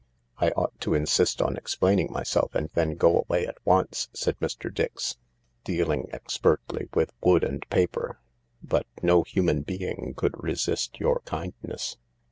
" I ought to insist on explaining myself and then go away at once," said Mr. Dix, dealing expertly with wood and paper, " but no human being could resist your kindness."